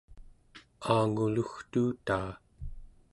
aangulugtuutaa